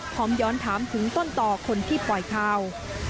พร้อมย้อนถามถึงต้นต่อคนที่ปล่อยข่าว